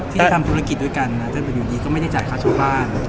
ที่ทำธุรกิจด้วยกันนะแต่อยู่ดีก็ไม่ได้จ่ายค่าเช่าบ้าน